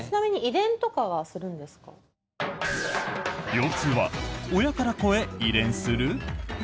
腰痛は親から子へ遺伝する？